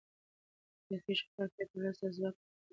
سیاسي شفافیت ولس ته ځواک ورکوي